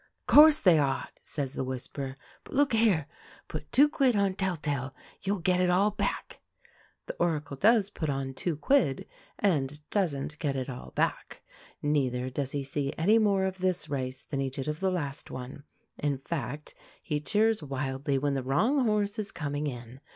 "Course they ought," says the Whisperer. "But, look here, put two quid on Tell tale; you'll get it all back!" The Oracle does put on "two quid", and doesn't get it all back. Neither does he see any more of this race than he did of the last one in fact, he cheers wildly when the wrong horse is coming in.